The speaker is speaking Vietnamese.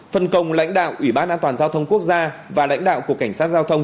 phân công lãnh đạo ủy ban an toàn giao thông quốc gia và lãnh đạo cục cảnh sát giao thông